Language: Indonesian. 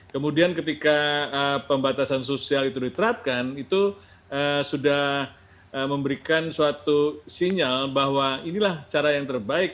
kemudian ketika pembatasan sosial itu diterapkan itu sudah memberikan suatu sinyal bahwa inilah cara yang terbaik